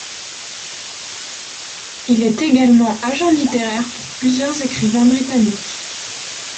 Il est également agent littéraire pour plusieurs écrivains britanniques.